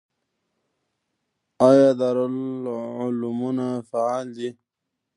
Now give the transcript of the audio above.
آیا دارالعلومونه فعال دي؟